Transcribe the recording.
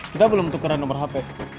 kita belum tukaran nomor hp